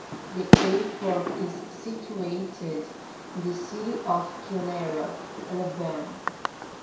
The airport is situated in the city of Calera, Alabama.